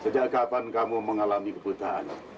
sejak kapan kamu mengalami kebutaan